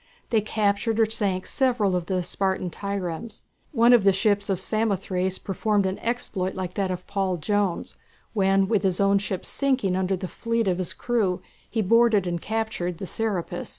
They captured or sank several of the Spartan triremes. One of the ships of Samothrace performed an exploit like that of Paul Jones, when with his own ship sinking under the feet of his crew he boarded and captured the "Serapis."